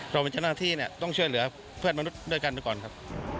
เราเป็นเจ้าหน้าที่เนี่ยต้องช่วยเหลือเพื่อนมนุษย์ด้วยกันไปก่อนครับ